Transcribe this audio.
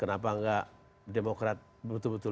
kenapa enggak demokrasi itu bisa dikonsumsiin